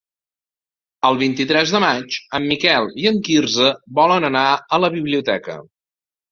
El vint-i-tres de maig en Miquel i en Quirze volen anar a la biblioteca.